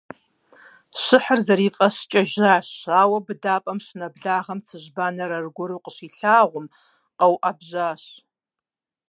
Щыхьыр зэрифӀэщкӀэ жащ, ауэ быдапӀэм щынэблагъэм, цыжьбанэр аргуэру къыщилъагъум, къэуӀэбжьащ.